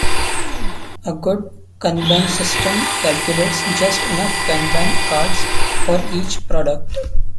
A good kanban system calculates just enough kanban cards for each product.